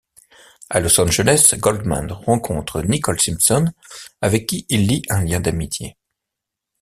À Los Angeles, Goldman rencontre Nicole Simpson avec qui il lie un lien d’amitié.